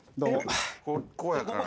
ここやからな。